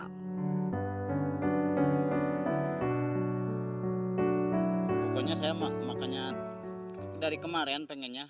pokoknya saya makanya dari kemarin pengennya